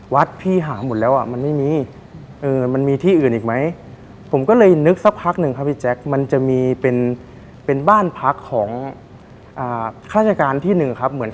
วัดพี่หาหมดแล้วมันไม่มีมันมีที่อื่นอีกไหม